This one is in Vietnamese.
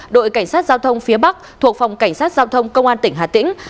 đội cảnh sát giao thông phía bắc thuộc phòng cảnh sát giao thông công an tỉnh hà tĩnh